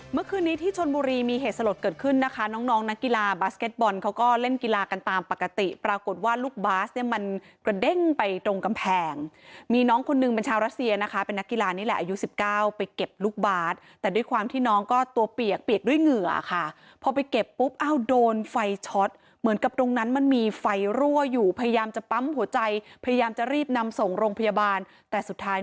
เมื่อคืนนี้ที่ชนบุรีมีเหตุสลดเกิดขึ้นนะคะน้องน้องนักกีฬาบาสเก็ตบอลเขาก็เล่นกีฬากันตามปกติปรากฏว่าลูกบาสเนี้ยมันกระเด้งไปตรงกำแผงมีน้องคนหนึ่งเป็นชาวรัสเซียนะคะเป็นนักกีฬานี่แหละอายุสิบเก้าไปเก็บลูกบาสแต่ด้วยความที่น้องก็ตัวเปียกเปียกด้วยเหงื่อค่ะพอไปเก็บปุ๊บอ้า